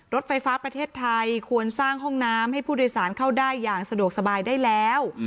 รถไฟฟ้าประเทศไทยควรสร้างห้องน้ำให้ผู้โดยสารเข้าได้อย่างสะดวกสบายได้แล้ว